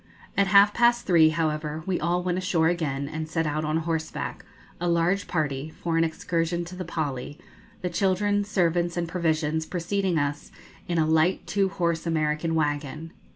At half past three, however, we all went ashore again, and set out on horseback, a large party, for an excursion to the Pali, the children, servants, and provisions preceding us in a light two horse American wagon.